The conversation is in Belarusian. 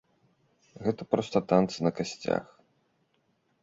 Гэта проста танцы на касцях.